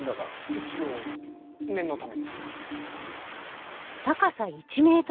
一応念のためです。